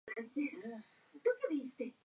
Su origen puede ser encontrado en la India.